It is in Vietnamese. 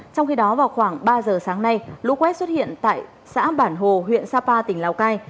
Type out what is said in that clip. trong khi đó vào khoảng ba giờ sáng nay lũ quét xuất hiện tại xã bản hồ huyện sapa tỉnh lào cai